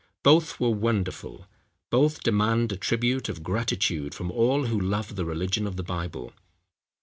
Both were wonderful! Both demand a tribute of gratitude from all who love the religion of the Bible.